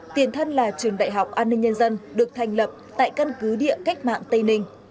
tiền thân là trường đại học an ninh nhân dân được thành lập tại căn cứ địa cách mạng tây ninh